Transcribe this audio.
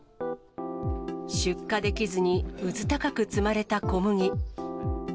出荷できずに、うずたかく積まれた小麦。